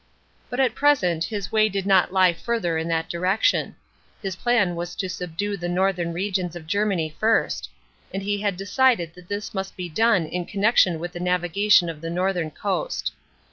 But at present his way did not lie further in that direction. His plan was to subdue the northern regions of Germany first ; and he had decided that this must be done in connection with the navigation of the northern coast.